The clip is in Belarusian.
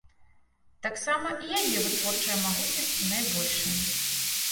Таксама і яе вытворчыя магутнасці найбольшыя.